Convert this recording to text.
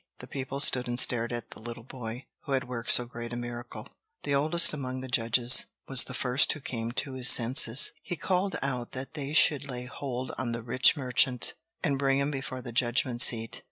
The people stood and stared at the little boy who had worked so great a miracle. The oldest among the judges was the first one who came to his senses. He called out that they should lay hold on the rich merchant, and bring him before the judgment seat.